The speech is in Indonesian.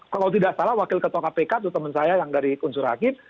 kalau tidak salah wakil ketua kpk atau teman saya yang dari unsur hakim